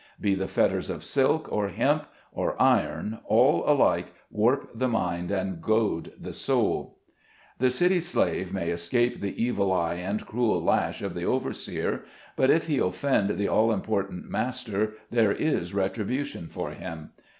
Be the fetters of silk, or hemp, or iron, all alike warp the mind and goad the soul. The city slave may escape the evil eye and cruel lash of the overseer, but if he offend the all import ant master, there is retribution for him.